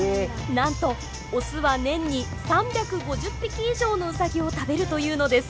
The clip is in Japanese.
なんとオスは年に３５０匹以上のウサギを食べるというのです。